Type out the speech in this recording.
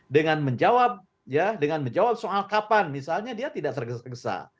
dengan menjawab soal kapan misalnya dia tidak tergesa gesa